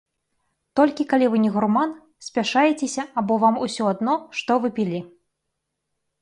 Толькі калі вы не гурман, спяшаецеся або вам усё адно, што вы пілі.